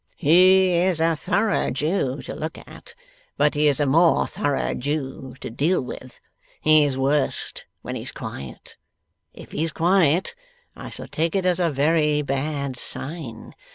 'He is a thorough Jew to look at, but he is a more thorough Jew to deal with. He's worst when he's quiet. If he's quiet, I shall take it as a very bad sign.